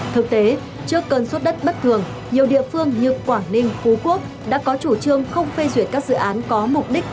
thực tế trước cơn xuất đất bất thường nhiều địa phương như quảng ninh phú quốc đã có chủ trương không phê duyệt các dự án có mục đích